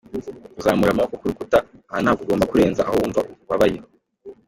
Kuzamura amaboko ku rukuta aha ntabwo ugomba kurenza aho wumva ubabaye.